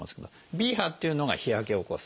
Ｂ波っていうのが日焼けを起こす。